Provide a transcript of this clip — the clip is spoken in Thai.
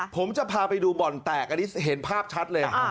ผมจะพาไปดูบ่อนแตกอันนี้เห็นภาพชัดเลย